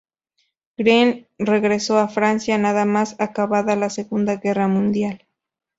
Green regresó a Francia nada más acabada la Segunda Guerra Mundial.